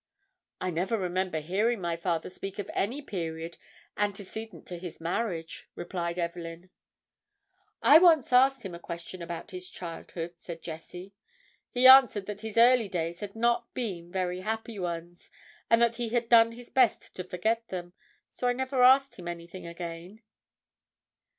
"I never remember hearing my father speak of any period antecedent to his marriage," replied Evelyn. "I once asked him a question about his childhood." said Jessie. "He answered that his early days had not been very happy ones, and that he had done his best to forget them. So I never asked him anything again."